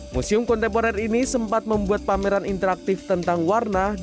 museum kontemporer ini sempat membuat pameran interaktif tentang warna